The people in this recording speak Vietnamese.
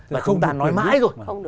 và chúng ta nói mãi rồi